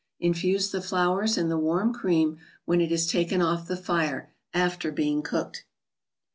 Infuse the flowers in the warm cream, when it is taken off the fire, after being cooked.